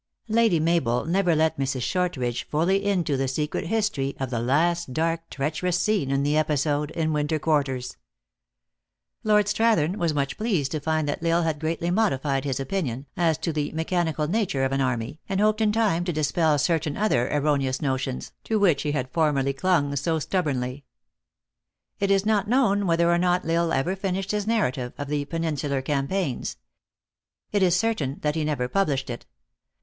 Lady Mabel never let Mrs. Shortridge fully into the secret history of the last dark treacherous scene in the episode in winter quarters. Lord Strathern w r as much pleased to tind that L Isle had greatly modified his opinion, as to the mechanical nature of an army, and hoped in time to dispel certain other erroneous notions, to which he had formerly 416 THE ACTRESS IN HIGH LIFE. clung so stubbornly. It is not known whether or not L Isle ever finished his narrative of the Peninsular campaigns. It is certain that he never published it.